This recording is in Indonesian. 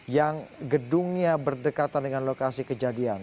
yang gedungnya berdekatan dengan lokasi kejadian